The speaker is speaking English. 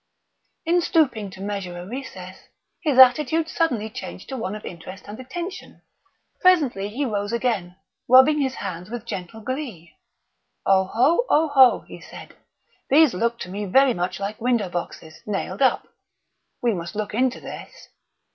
In stooping to measure a recess, his attitude suddenly changed to one of interest and attention. Presently he rose again, rubbing his hands with gentle glee. "Oho, oho!" he said. "These look to me very much like window boxes, nailed up. We must look into this!